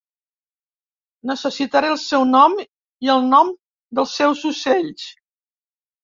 Necessitaré el seu nom i el nom dels seus ocells.